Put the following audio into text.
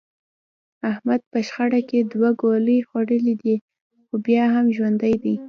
احمد په شخړه کې دوه ګولۍ خوړلې دي، خو بیا هم ژوندی دی.